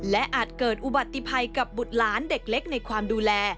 และอาจเกิดอุบัติภัยกับบุตรหลานเด็กเล็กในความดูแล